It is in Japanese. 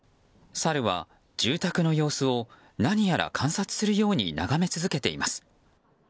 サルは住宅の様子を何やら観察するように眺め続けています。